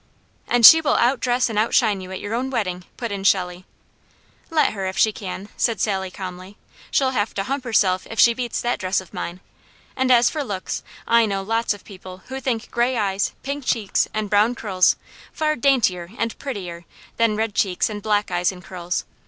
"And she will outdress and outshine you at your own wedding," put in Shelley. "Let her, if she can!" said Sally calmly. "She'll have to hump herself if she beats that dress of mine; and as for looks, I know lots of people who think gray eyes, pink cheeks, and brown curls far daintier and prettier than red cheeks and black eyes and curls.